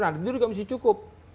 nanti juga mesti cukup